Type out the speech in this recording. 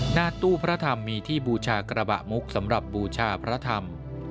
หน้าตู้พระธรรมมีที่บูชากระบะมุกสำหรับบูชาพระธรรม